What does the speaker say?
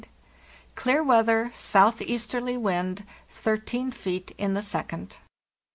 Clear weather, southeasterly wind (13 feet in the second).